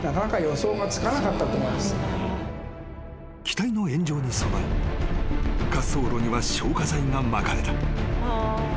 ［機体の炎上に備え滑走路には消火剤がまかれた］